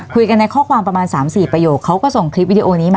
คุยกันในข้อความประมาณ๓๔ประโยคเขาก็ส่งคลิปวิดีโอนี้มา